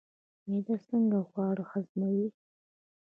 معده څنګه خواړه هضموي؟